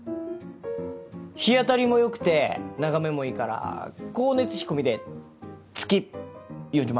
日当たりも良くて眺めもいいから光熱費込みで月４０万。